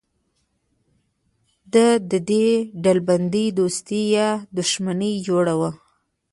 له دې ډلبندۍ دوستي یا دښمني جوړوو.